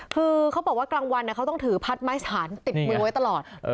คือเขาบอกว่ากลางวันเขาต้องถือพัดไม้สถานติดมือไว้ตลอด